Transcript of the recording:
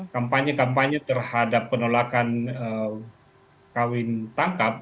kampanye kampanye terhadap penolakan kawin tangkap